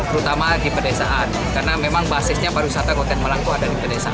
terutama di pedesaan karena memang basisnya pariwisata kota malang itu ada di pedesaan